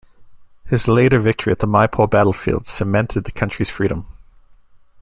His later victory at the Maipo battlefield cemented the country's freedom.